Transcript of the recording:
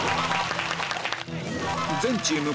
全チーム